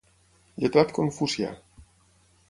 Lletrat confucià.